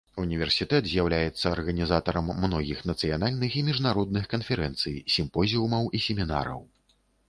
Універсітэт з'яўляецца арганізатарам многіх нацыянальных і міжнародных канферэнцый, сімпозіумаў і семінараў.